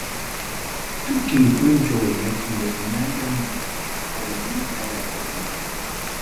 Tukuy punchaw llaki llakillaña harawikunata takin.